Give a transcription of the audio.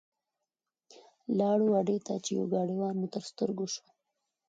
لاړو اډې ته چې یو ګاډیوان مو تر سترګو شو.